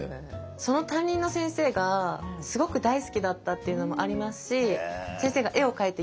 その担任の先生がすごく大好きだったっていうのもありますしへえ。